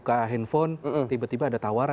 kok ya ketika buka handphone tiba tiba ada tawaran